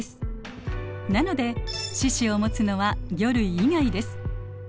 なので四肢をもつのは魚類以外です。